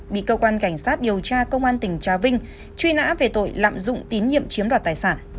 bị cơ quan cảnh sát điều tra công an tỉnh trà vinh truy nã về tội lạm dụng tín nhiệm chiếm đoạt tài sản